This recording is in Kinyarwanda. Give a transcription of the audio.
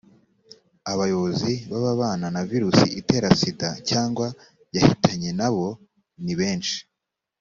abayobozi babana na virusi itera sida cyangwa yahitanye nabo ni benshi